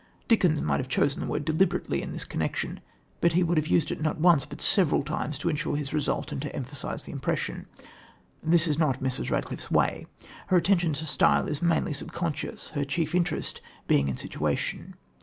Dickens might have chosen the word deliberately in this connection, but he would have used it, not once, but several times to ensure his result and to emphasise the impression. This is not Mrs. Radcliffe's way. Her attention to style is mainly subconscious, her chief interest being in situation.